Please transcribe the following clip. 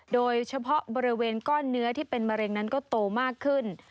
โดยเฉพาะบริเวณก้อนเนื้อที่เป็นมะเร็งนั้นก็โตมากขึ้น